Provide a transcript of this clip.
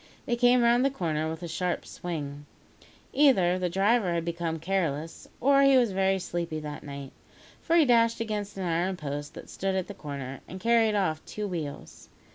They came round the corner with a sharp swing. Either the driver had become careless, or he was very sleepy that night, for he dashed against an iron post that stood at the corner, and carried off two wheels.